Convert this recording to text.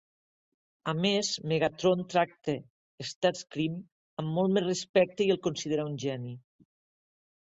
A més, Megatron tracta Starscream amb molt més respecte i el considera un geni.